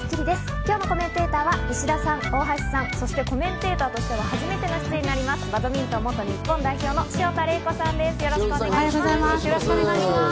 今日のコメンテーターは石田さん、大橋さん、そしてコメンテーターとしては初めての出演となります、バドミントン元日本代表の潮田玲子さんです。